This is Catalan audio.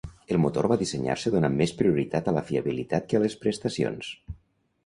El motor va dissenyar-se donant més prioritat a la fiabilitat que a les prestacions.